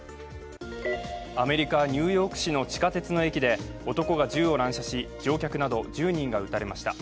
アメリカ・ニューヨーク市の地下鉄の駅で男が銃を乱射し乗客など１０人が撃たれました。